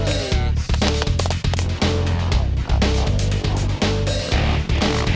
ada tahu su dukung atu